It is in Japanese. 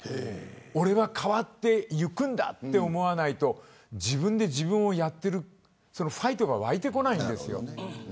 俺は変わっていくんだと思わないと自分で自分をやっているファイトが湧いてこないです。